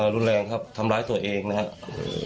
รุนแรงครับทำร้ายตัวเองนะครับ